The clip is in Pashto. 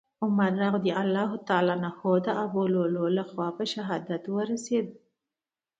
عمر رضي الله عنه د ابولؤلؤ له په شهادت ورسېد.